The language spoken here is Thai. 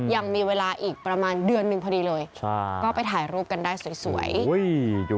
ยังมีเวลาอีกประมาณเดือนหนึ่งพอดีเลยใช่ก็ไปถ่ายรูปกันได้สวย